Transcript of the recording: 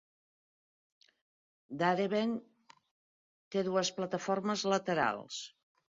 Darebin té dues plataformes laterals.